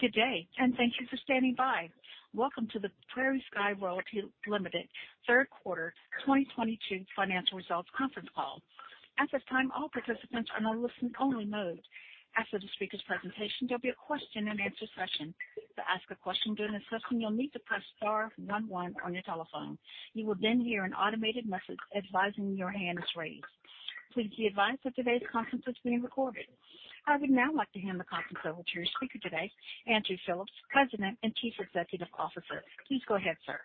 Good day, and thank you for standing by. Welcome to the PrairieSky Royalty Ltd. third quarter 2022 financial results conference call. At this time, all participants are in a listen only mode. After the speaker's presentation, there'll be a question-and-answer session. To ask a question during the session, you'll need to press star one one on your telephone. You will then hear an automated message advising your hand is raised. Please be advised that today's conference is being recorded. I would now like to hand the conference over to your speaker today, Andrew Phillips, President and Chief Executive Officer. Please go ahead, sir.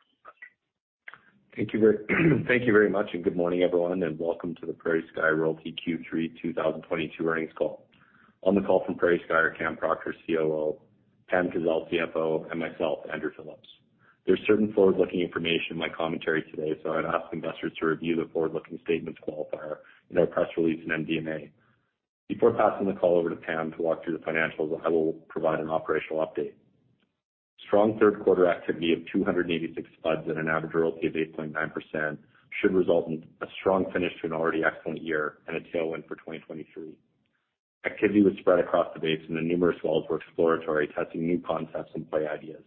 Thank you very much and good morning, everyone, and welcome to the PrairieSky Royalty Q3 2022 earnings call. On the call from PrairieSky are Cameron Proctor, COO, Pam Kazeil, CFO, and myself, Andrew Phillips. There's certain forward-looking information in my commentary today, so I'd ask investors to review the forward-looking statements qualifier in our press release in MD&A. Before passing the call over to Pam to walk through the financials, I will provide an operational update. Strong third quarter activity of 286 spuds and an average royalty of 8.9% should result in a strong finish to an already excellent year and a tailwind for 2023. Activity was spread across the basin and numerous wells were exploratory, testing new concepts and play ideas.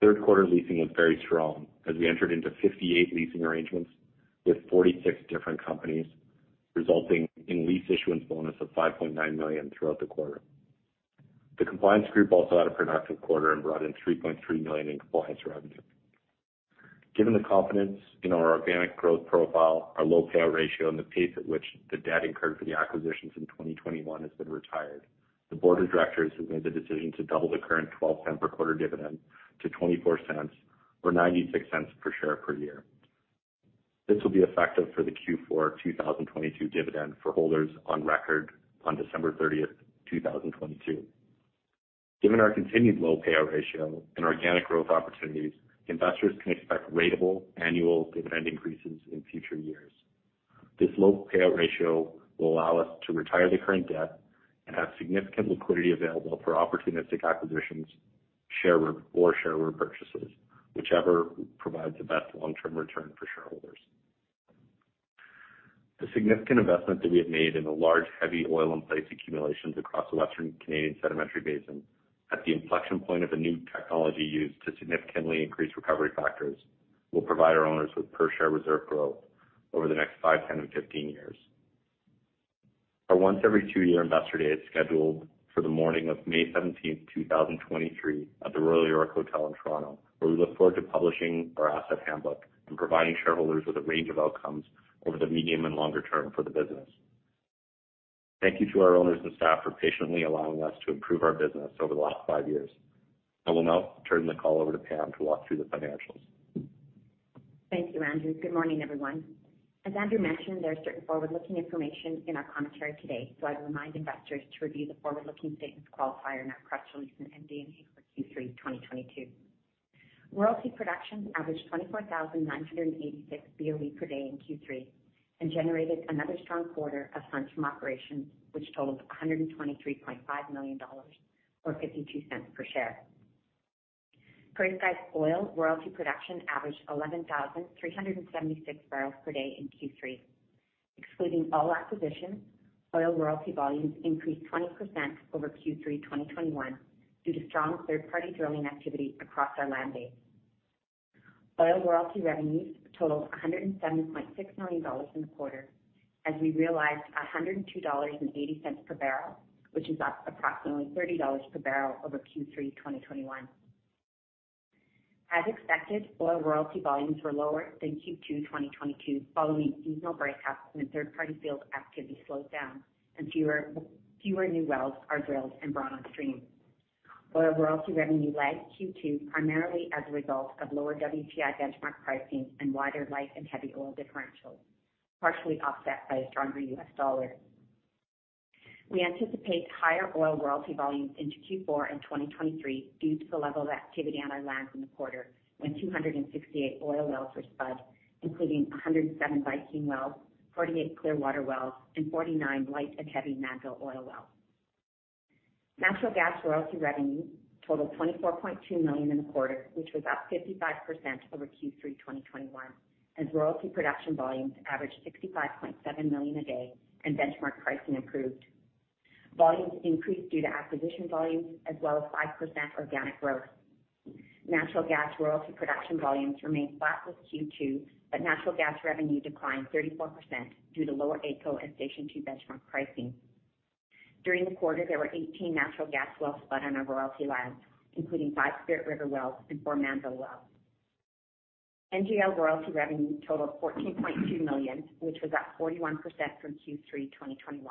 Third quarter leasing was very strong as we entered into 58 leasing arrangements with 46 different companies, resulting in lease issuance bonus of 5.9 million throughout the quarter. The compliance group also had a productive quarter and brought in 3.3 million in compliance revenue. Given the confidence in our organic growth profile, our low payout ratio and the pace at which the debt incurred for the acquisitions in 2021 has been retired, the Board of Directors has made the decision to double the current 0.12 per quarter dividend to 0.24 or 0.96 per share per year. This will be effective for the Q4 2022 dividend for holders on record on December 30, 2022. Given our continued low payout ratio and organic growth opportunities, investors can expect ratable annual dividend increases in future years. This low payout ratio will allow us to retire the current debt and have significant liquidity available for opportunistic acquisitions or share repurchases, whichever provides the best long-term return for shareholders. The significant investment that we have made in the large heavy oil in place accumulations across the Western Canada Sedimentary Basin at the inflection point of a new technology used to significantly increase recovery factors, will provide our owners with per share reserve growth over the next 5, 10 or 15 years. Our once every two-year investor day is scheduled for the morning of May 17, 2023 at the Royal York Hotel in Toronto, where we look forward to publishing our asset handbook and providing shareholders with a range of outcomes over the medium and longer term for the business. Thank you to our owners and staff for patiently allowing us to improve our business over the last five years. I will now turn the call over to Pam to walk through the financials. Thank you, Andrew. Good morning, everyone. As Andrew mentioned, there's certain forward-looking information in our commentary today. I'd remind investors to review the forward-looking statements qualifier in our press release in MD&A for Q3 2022. Royalty production averaged 24,986 BOE per day in Q3, and generated another strong quarter of funds from operations, which totaled 123.5 million dollars or 0.52 per share. PrairieSky's oil royalty production averaged 11,376 barrels per day in Q3. Excluding all acquisitions, oil royalty volumes increased 20% over Q3 2021 due to strong third-party drilling activity across our land base. Oil royalty revenues totaled 107.6 million dollars in the quarter as we realized 102.80 dollars per barrel, which is up approximately 30 dollars per barrel over Q3 2021. As expected, oil royalty volumes were lower than Q2 2022 following seasonal break-up when third-party field activity slows down and fewer new wells are drilled and brought on stream. Oil royalty revenue lagged Q2 primarily as a result of lower WTI benchmark pricing and wider light and heavy oil differentials, partially offset by a stronger US dollar. We anticipate higher oil royalty volumes into Q4 in 2023 due to the level of activity on our land in the quarter when 268 oil wells were spud, including 107 Viking wells, 48 Clearwater wells, and 49 light and heavy Mannville oil wells. Natural gas royalty revenue totaled 24.2 million in the quarter, which was up 55% over Q3 2021 as royalty production volumes averaged 65.7 million a day and benchmark pricing improved. Volumes increased due to acquisition volumes as well as 5% organic growth. Natural gas royalty production volumes remained flat with Q2, but natural gas revenue declined 34% due to lower AECO and Station 2 benchmark pricing. During the quarter, there were 18 natural gas wells spud on our royalty lands, including five Spirit River wells and four Mannville wells. NGL royalty revenue totaled 14.2 million, which was up 41% from Q3 2021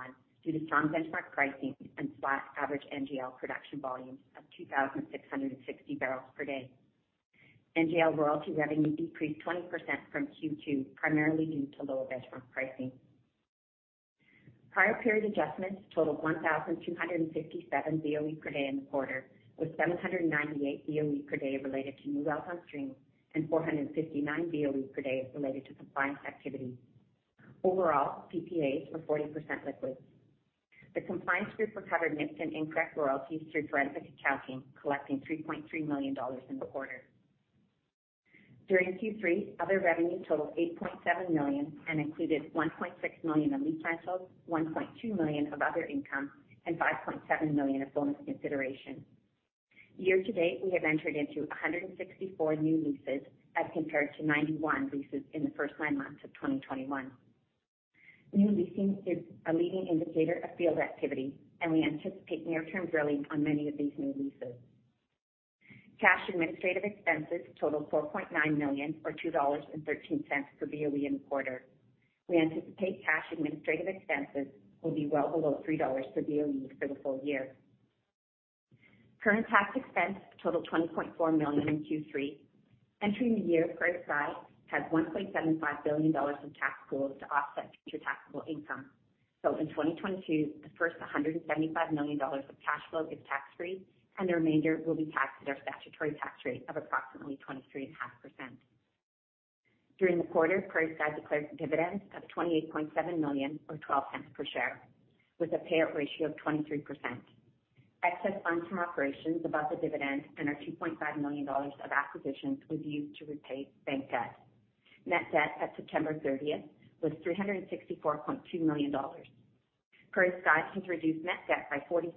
due to strong benchmark pricing and flat average NGL production volumes of 2,660 barrels per day. NGL royalty revenue decreased 20% from Q2, primarily due to lower benchmark pricing. Prior period adjustments totaled 1,257 BOE per day in the quarter, with 798 BOE per day related to new wells on stream and 459 BOE per day related to compliance activity. Overall, PPAs were 40% liquids. The compliance group recovered missed and incorrect royalties through forensic accounting, collecting 3.3 million dollars in the quarter. During Q3, other revenue totaled 8.7 million and included 1.6 million in lease rentals, 1.2 million of other income, and 5.7 million of bonus consideration. Year to date, we have entered into 164 new leases as compared to 91 leases in the first nine months of 2021. New leasing is a leading indicator of field activity, and we anticipate near-term drilling on many of these new leases. Cash administrative expenses totaled 4.9 million or 2.13 dollars per BOE in the quarter. We anticipate cash administrative expenses will be well below 3 dollars per BOE for the full year. Current tax expense totaled 20.4 million in Q3. Entering the year, PrairieSky had 1.75 billion dollars of tax pools to offset future taxable income. In 2022, the first 175 million dollars of cash flow is tax-free, and the remainder will be taxed at our statutory tax rate of approximately 23.5%. During the quarter, PrairieSky declared dividends of 28.7 million or 0.12 per share with a payout ratio of 23%. Excess funds from operations above the dividend and our 2.5 million dollars of acquisitions was used to repay bank debt. Net debt at September 30 was 364.2 million dollars. PrairieSky has reduced net debt by 43%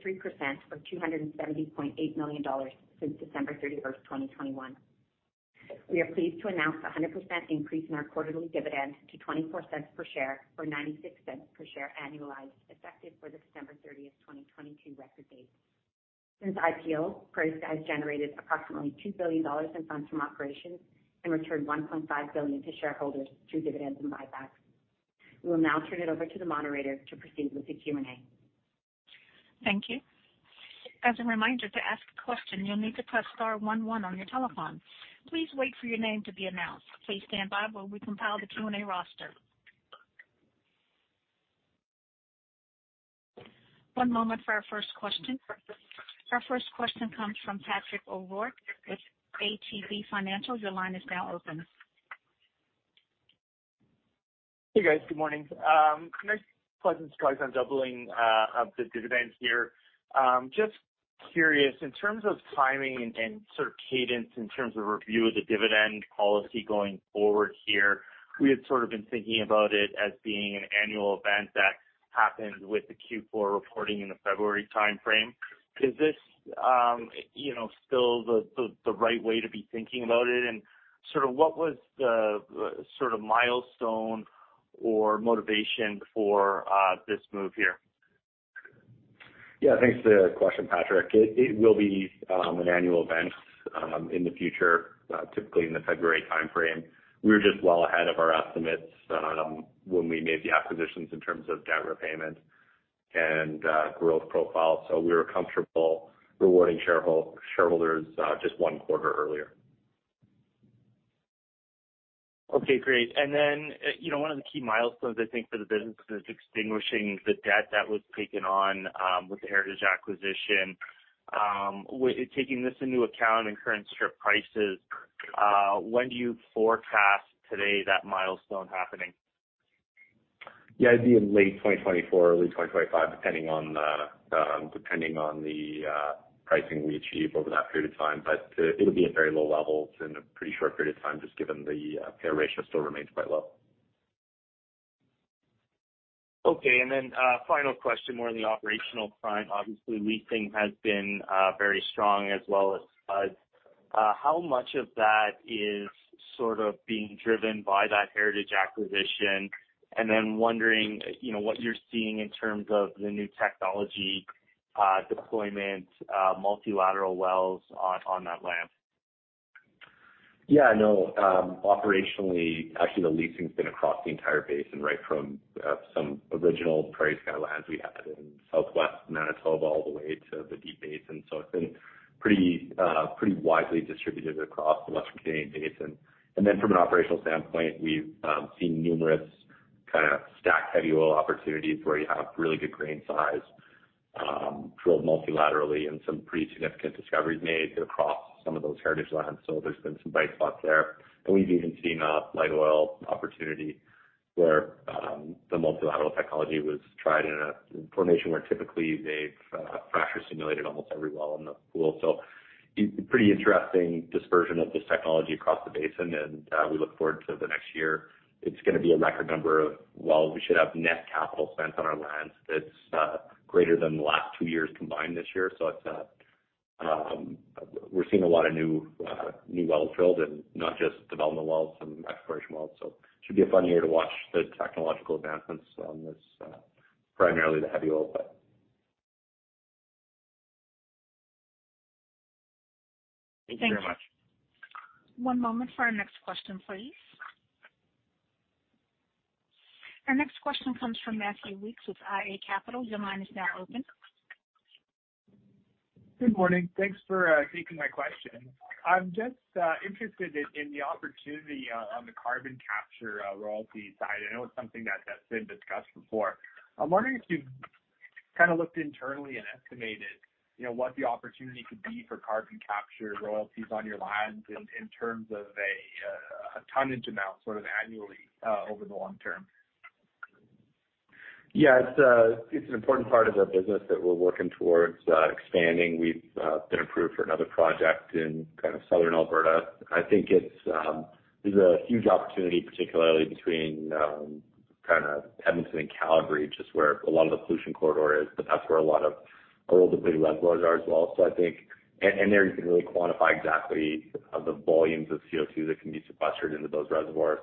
or 270.8 million dollars since December 31, 2021. We are pleased to announce a 100% increase in our quarterly dividend to 0.24 per share or 0.96 per share annualized effective for the December 30, 2022 record date. Since IPO, PrairieSky has generated approximately 2 billion dollars in funds from operations and returned 1.5 billion to shareholders through dividends and buybacks. We will now turn it over to the moderator to proceed with the Q&A. Thank you. As a reminder, to ask a question, you'll need to press star one one on your telephone. Please wait for your name to be announced. Please stand by while we compile the Q&A roster. One moment for our first question. Our first question comes from Patrick O'Rourke with ATB Financial. Your line is now open. Hey, guys. Good morning. Nice pleasant surprise on doubling of the dividend here. Just curious, in terms of timing and sort of cadence in terms of review of the dividend policy going forward here, we had sort of been thinking about it as being an annual event that happened with the Q4 reporting in the February timeframe. Is this still the right way to be thinking about it? Sort of what was the sort of milestone or motivation for this move here? Yeah. Thanks for the question, Patrick. It will be an annual event in the future, typically in the February timeframe. We're just well ahead of our estimates when we made the acquisitions in terms of debt repayment and growth profile. We were comfortable rewarding shareholders just one quarter earlier. Okay. Great. You know, one of the key milestones I think for the business is extinguishing the debt that was taken on with the Heritage acquisition. Taking this into account and current strip prices, when do you forecast today that milestone happening? Yeah. It'd be in late 2024, early 2025, depending on the pricing we achieve over that period of time. It'll be at very low levels in a pretty short period of time, just given the payout ratio still remains quite low. Okay. Final question, more on the operational front. Obviously, leasing has been very strong as well as SPUD. How much of that is sort of being driven by that Heritage acquisition? Wondering, you know, what you're seeing in terms of the new technology deployment, multilateral wells on that land. Yeah, no, operationally, actually the leasing's been across the entire basin, right from some original PrairieSky lands we had in Southwest Manitoba all the way to the Deep Basin. It's been pretty widely distributed across the Western Canadian basin. From an operational standpoint, we've seen numerous kind of stacked heavy oil opportunities where you have really good grain size, drilled multilaterally and some pretty significant discoveries made across some of those Heritage lands. There's been some bright spots there. We've even seen a light oil opportunity where the multilateral technology was tried in a formation where typically they've fracture stimulated almost every well in the pool. It's pretty interesting dispersion of this technology across the basin, and we look forward to the next year. It's gonna be a record number of wells. We should have net capital spent on our lands that's greater than the last two years combined this year. It's we're seeing a lot of new wells drilled and not just development wells and exploration wells. It should be a fun year to watch the technological advancements on this primarily the heavy oil play. Thank you very much. One moment for our next question, please. Our next question comes from Matthew Weekes with iA Capital. Your line is now open. Good morning. Thanks for taking my question. I'm just interested in the opportunity on the carbon capture royalty side. I know it's something that's been discussed before. I'm wondering if you've kind of looked internally and estimated, you know, what the opportunity could be for carbon capture royalties on your lands in terms of a tonnage amount sort of annually over the long term. It's an important part of our business that we're working towards expanding. We've been approved for another project in kind of southern Alberta. I think there's a huge opportunity, particularly between kind of Edmonton and Calgary, just where a lot of the production corridor is, but that's where a lot of our older reservoirs are as well. I think there you can really quantify exactly the volumes of CO2 that can be sequestered into those reservoirs.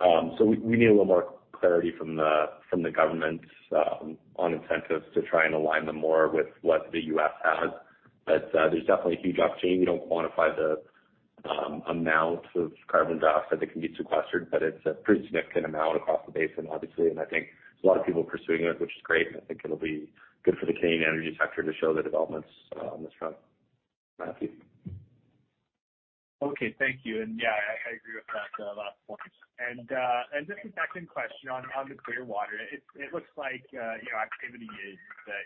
We need a little more clarity from the government on incentives to try and align them more with what the U.S. has. There's definitely a huge opportunity. We don't quantify the amount of CO2 that can be sequestered, but it's a pretty significant amount across the basin, obviously. I think there's a lot of people pursuing it, which is great, and I think it'll be good for the Canadian energy sector to show the developments on this front. Matthew. Okay. Thank you. Yeah, I agree with that last point. Just a second question on the Clearwater. It looks like, you know, activity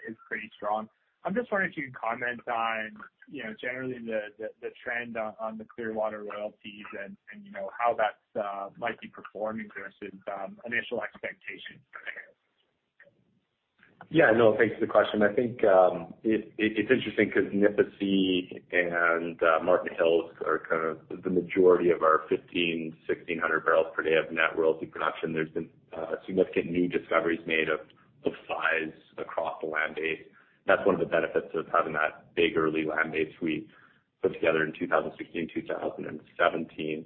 is pretty strong. I'm just wondering if you can comment on, you know, generally the trend on the Clearwater royalties and you know how that might be performing versus initial expectations. Yeah. No, thanks for the question. I think it's interesting 'cause Nipisi and Martin Hills are kind of the majority of our 1,500-1,600 barrels per day of net royalty production. There's been significant new discoveries made of size across the land base. That's one of the benefits of having that big early land base we put together in 2016, 2017.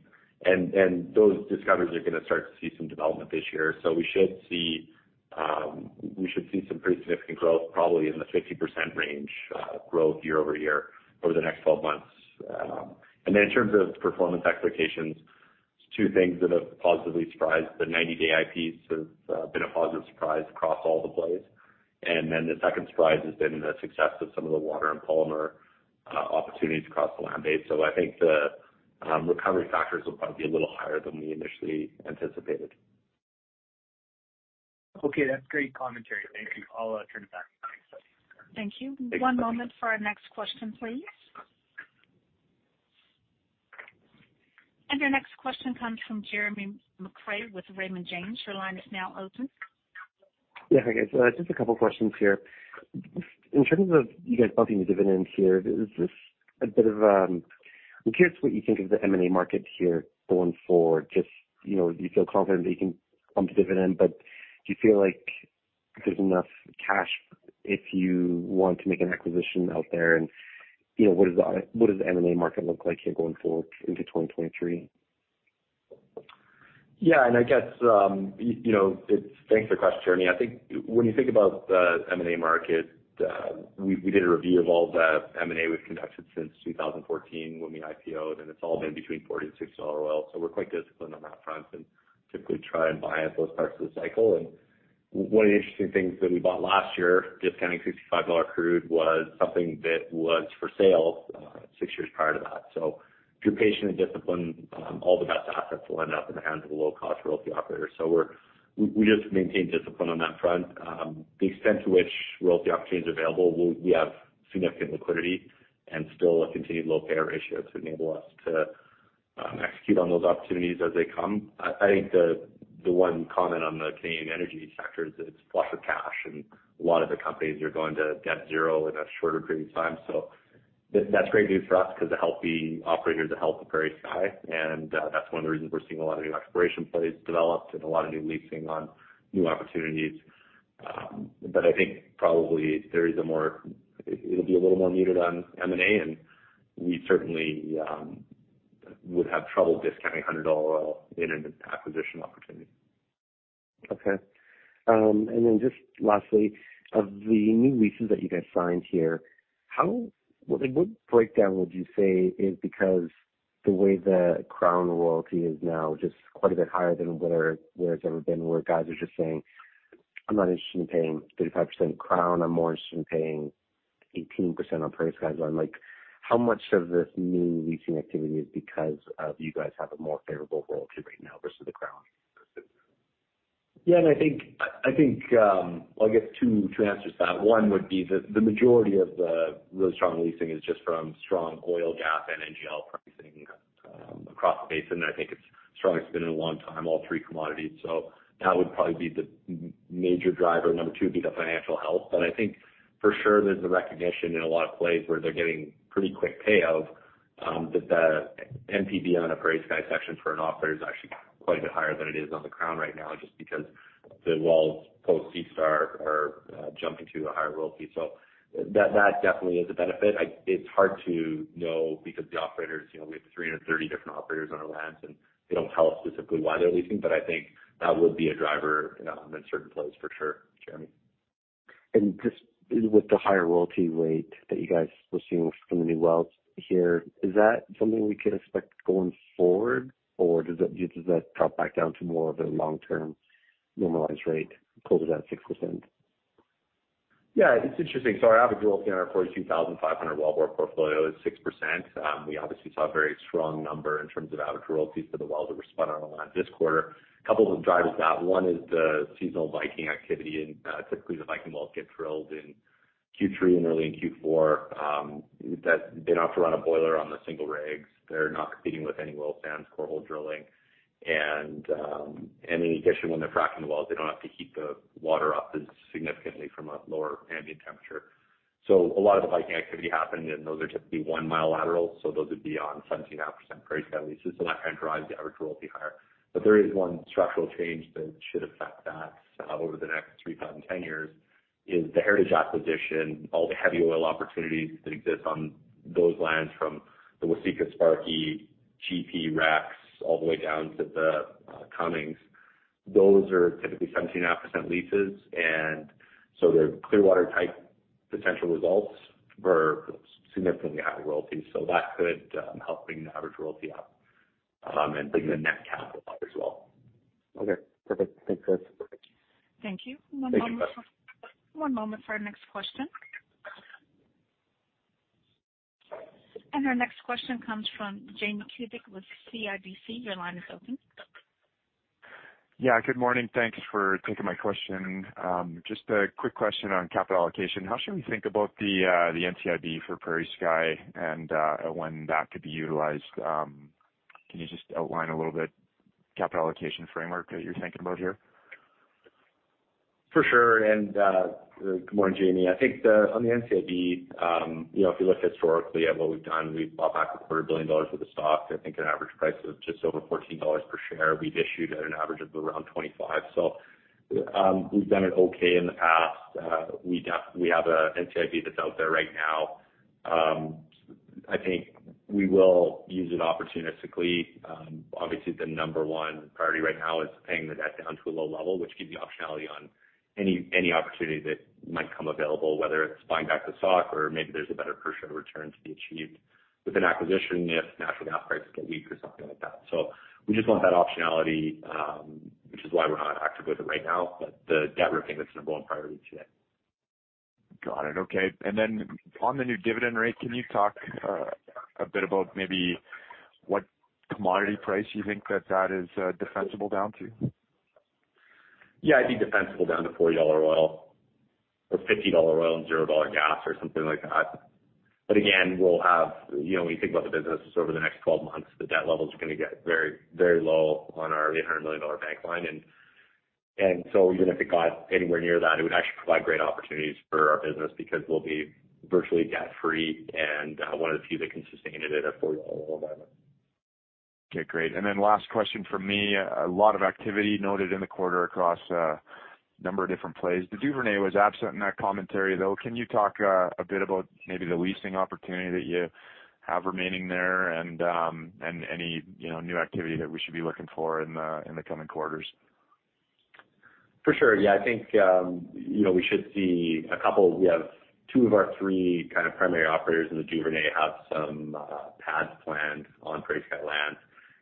Those discoveries are gonna start to see some development this year. We should see some pretty significant growth probably in the 50% range, growth year-over-year over the next 12 months. In terms of performance expectations, two things that have positively surprised. The 90-day IPs have been a positive surprise across all the plays. The second surprise has been the success of some of the water and polymer opportunities across the land base. I think the recovery factors will probably be a little higher than we initially anticipated. Okay. That's great commentary. Thank you. I'll turn it back to the operator. Thank you. Thank you. One moment for our next question, please. Your next question comes from Jeremy McCrea with Raymond James. Your line is now open. Yeah. Hi, guys. Just a couple questions here. In terms of you guys bumping the dividend here, is this a bit of... I'm curious what you think of the M&A market here going forward, just, you know, do you feel confident that you can bump the dividend, but do you feel like there's enough cash if you want to make an acquisition out there? You know, what does the M&A market look like here going forward into 2023? Yeah. Thanks for the question, Jeremy. I think when you think about the M&A market, we did a review of all the M&A we've conducted since 2014 when we IPO-ed, and it's all been between $40-$60 oil. We're quite disciplined on that front and typically try and buy at those parts of the cycle. One of the interesting things that we bought last year, discounting $65 crude, was something that was for sale 6 years prior to that. If you're patient and disciplined, all the best assets will end up in the hands of a low cost royalty operator. We just maintain discipline on that front. The extent to which royalty opportunity is available, we have significant liquidity and still a continued low payout ratio to enable us to execute on those opportunities as they come. I think the one comment on the Canadian energy sector is it's flush with cash, and a lot of the companies are going to debt zero in a shorter period of time. That's great news for us 'cause the healthy operators are helping PrairieSky, and that's one of the reasons we're seeing a lot of new exploration plays developed and a lot of new leasing on new opportunities. I think probably it'll be a little more muted on M&A, and we certainly would have trouble discounting $100 oil in an acquisition opportunity. Okay. Just lastly, of the new leases that you guys signed here, what breakdown would you say is because of the way the Crown royalty is now just quite a bit higher than where it's ever been, where guys are just saying, "I'm not interested in paying 35% Crown. I'm more interested in paying 18% on PrairieSky." I'm like, how much of this new leasing activity is because you guys have a more favorable royalty right now versus the Crown? Yeah. I think I'll give two answers to that. One would be the majority of the really strong leasing is just from strong oil, gas, and NGL pricing across the basin. I think it's been the strongest in a long time, all three commodities. That would probably be the major driver. Number two would be the financial health. I think for sure there's a recognition in a lot of plays where they're getting pretty quick payout that the NPV on a PrairieSky section for an operator is actually quite a bit higher than it is on the Crown right now, just because the wells post lease start are jumping to a higher royalty. That definitely is a benefit. It's hard to know because the operators, you know, we have 330 different operators on our lands, and they don't tell us specifically why they're leasing, but I think that would be a driver in certain plays for sure, Jeremy. Just with the higher royalty rate that you guys were seeing from the new wells here, is that something we could expect going forward, or does that drop back down to more of a long-term normalized rate closer to that 6%? Yeah. It's interesting. Our average royalty on our 42,500 wellbore portfolio is 6%. We obviously saw a very strong number in terms of average royalties for the wells that were brought online this quarter. A couple of them drive that. One is the seasonal Viking activity, and typically, the Viking wells get drilled in Q3 and early in Q4, that they don't have to run a boiler on the single rigs. They're not competing with any well stands, core hole drilling. In addition, when they're fracking the wells, they don't have to heat the water up as significantly from a lower ambient temperature. A lot of the Viking activity happened, and those are typically 1-mile laterals, so those would be on 17.5% rate at least. That kind of drives the average royalty higher. There is one structural change that should affect that over the next 3 to 10 years is the Heritage acquisition, all the heavy oil opportunities that exist on those lands from the Waseca Sparky, GP Stacks, all the way down to the Cummings. Those are typically 17.5% leases, and they're Clearwater-type potential results for significantly higher royalties. That could help bring the average royalty up, and bring the net capital up as well. Okay, perfect. Thanks, Andrew Phillips. Thank you. Thank you. One moment. One moment for our next question. Our next question comes from Jamie Kubik with CIBC. Your line is open. Yeah, good morning. Thanks for taking my question. Just a quick question on capital allocation. How should we think about the NCIB for PrairieSky and when that could be utilized? Can you just outline a little bit capital allocation framework that you're thinking about here? For sure. Good morning, Jamie. I think, on the NCIB, you know, if you look historically at what we've done, we've bought back a quarter billion dollars with the stock. I think an average price of just over 14 dollars per share. We've issued at an average of around 25. We've done it okay in the past. We have a NCIB that's out there right now. I think we will use it opportunistically. Obviously, the number one priority right now is paying the debt down to a low level, which gives you optionality on any opportunity that might come available, whether it's buying back the stock or maybe there's a better per share return to be achieved with an acquisition if natural gas prices get weak or something like that. We just want that optionality, which is why we're not active with it right now. The debt repayment is the number one priority today. Got it. Okay. Then on the new dividend rate, can you talk a bit about maybe what commodity price you think that is defensible down to? Yeah, I think defensible down to $40 oil or $50 oil and $0 gas or something like that. Again, we'll have, you know, when you think about the business over the next 12 months, the debt levels are gonna get very, very low on our $800 million bank line. So even if it got anywhere near that, it would actually provide great opportunities for our business because we'll be virtually debt-free and one of the few that can sustain it at a $40 oil environment. Okay, great. Last question from me. A lot of activity noted in the quarter across a number of different plays. The Duvernay was absent in that commentary, though. Can you talk a bit about maybe the leasing opportunity that you have remaining there and any, you know, new activity that we should be looking for in the coming quarters? For sure. Yeah, I think, you know, we should see a couple. We have two of our three kind of primary operators in the Duvernay have some pads planned on PrairieSky land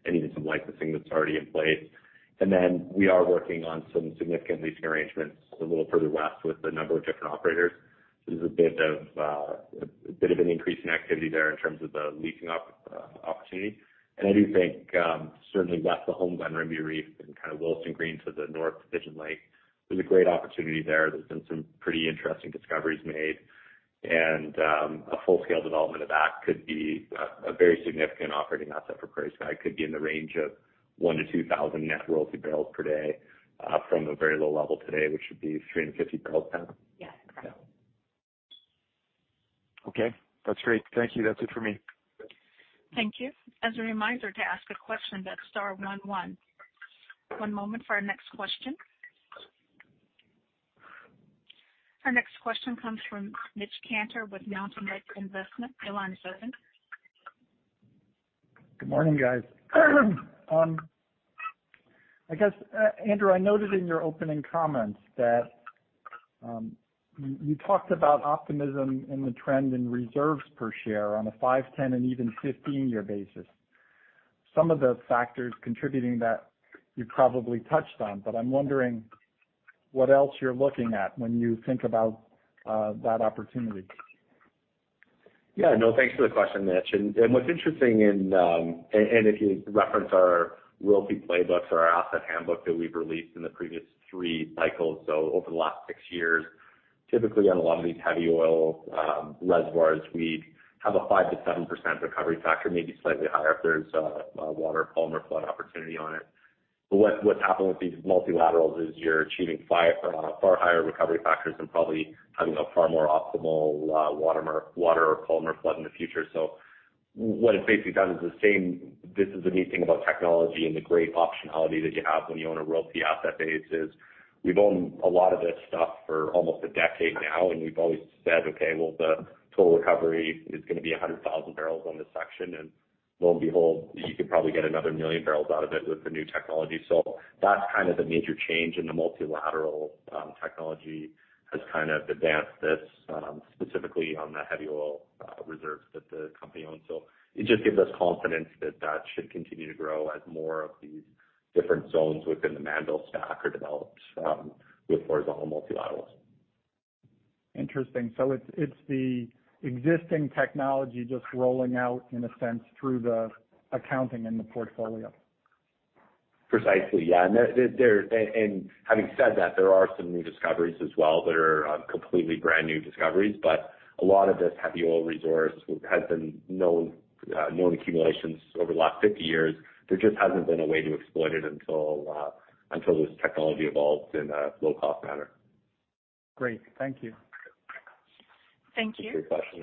and even some licensing that's already in place. We are working on some significant leasing arrangements a little further west with a number of different operators. There's a bit of an increase in activity there in terms of the leasing opportunity. I do think, certainly west of Homeglen, Rimbey Reef and kind of Willesden Green to the north of Pigeon Lake, there's a great opportunity there. There's been some pretty interesting discoveries made, and a full-scale development of that could be a very significant operating asset for PrairieSky. Could be in the range of 1,000-2,000 net royalty barrels per day from a very low level today, which would be 350 barrels now. Okay, that's great. Thank you. That's it for me. Thank you. As a reminder to ask a question, that's star one one. One moment for our next question. Our next question comes from Mitch Cantor with Mountain Lake Investment. Your line is open. Good morning, guys. I guess, Andrew, I noted in your opening comments that you talked about optimism in the trend in reserves per share on a 5, 10, and even 15-year basis. Some of the factors contributing that you probably touched on, but I'm wondering what else you're looking at when you think about that opportunity. Yeah, no, thanks for the question, Mitch. What's interesting is if you reference our royalty playbooks or our asset handbook that we've released in the previous three cycles, so over the last six years, typically on a lot of these heavy oil reservoirs, we have a 5%-7% recovery factor, maybe slightly higher if there's a waterflood, polymer flood opportunity on it. But what's happened with these multilaterals is you're achieving far higher recovery factors and probably having a far more optimal waterflood or polymer flood in the future. What it basically does is the same. This is the neat thing about technology and the great optionality that you have when you own a royalty asset base, is we've owned a lot of this stuff for almost a decade now, and we've always said, okay, well, the total recovery is gonna be 100,000 barrels on this section, and lo and behold, you could probably get another 1 million barrels out of it with the new technology. That's kind of the major change in the multilateral technology has kind of advanced this, specifically on the heavy oil reserves that the company owns. It just gives us confidence that that should continue to grow as more of these different zones within the Mannville Stack are developed with horizontal multilaterals. Interesting. It's the existing technology just rolling out in a sense through the accounting in the portfolio? Precisely, yeah. Having said that, there are some new discoveries as well that are completely brand new discoveries. A lot of this heavy oil resource has been known accumulations over the last 50 years. There just hasn't been a way to exploit it until this technology evolved in a low-cost manner. Great. Thank you. Thank you. Thanks for your question.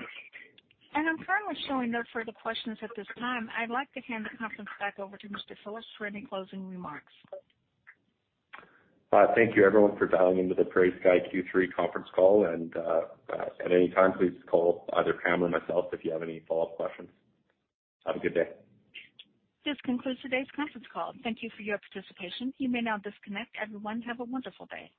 I'm currently showing no further questions at this time. I'd like to hand the conference back over to Mr. Phillips for any closing remarks. Thank you everyone for dialing into the PrairieSky Q3 conference call. At any time, please call either Pam or myself if you have any follow-up questions. Have a good day. This concludes today's conference call. Thank you for your participation. You may now disconnect. Everyone, have a wonderful day.